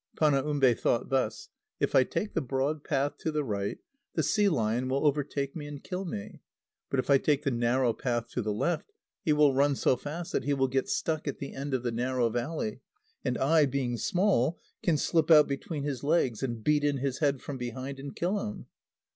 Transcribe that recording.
Panaumbe thought thus: "If I take the broad path to the right, the sea lion will overtake me, and kill me. But if I take the narrow path to the left, he will run so fast that he will get stuck at the end of the narrow valley, and I, being small, can slip out between his legs, and beat in his head from behind, and kill him."